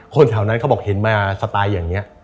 แถวนั้นเขาบอกเห็นมาสไตล์อย่างนี้